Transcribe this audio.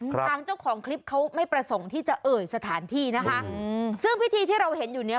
ทางเจ้าของคลิปเขาไม่ประสงค์ที่จะเอ่ยสถานที่นะคะอืมซึ่งพิธีที่เราเห็นอยู่เนี้ย